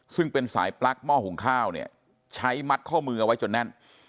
ซึ่งเป็นสายปลั๊กหม้อหุงข้าวเนี่ยใช้มัดข้อมือเอาไว้จนแน่น